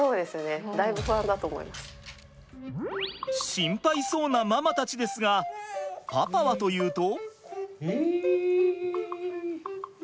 心配そうなママたちですがパパはというと。